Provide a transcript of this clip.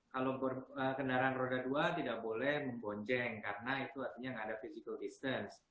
kalau kendaraan roda dua tidak boleh membonceng karena itu artinya tidak ada physical distance